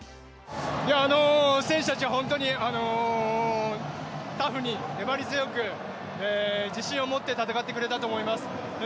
選手たちが本当にタフに粘り強く自信を持って戦ってくれたと思います。